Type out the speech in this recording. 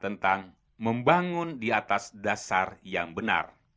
tentang membangun di atas dasar yang benar